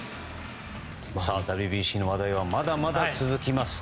ＷＢＣの話題はまだまだ続きます。